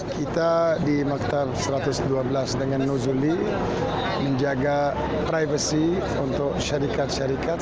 kita di maktab satu ratus dua belas dengan nozuli menjaga privacy untuk syarikat syarikat